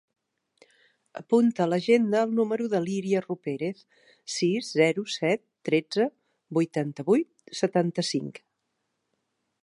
Apunta a l'agenda el número de l'Iria Ruperez: sis, zero, set, tretze, vuitanta-vuit, setanta-cinc.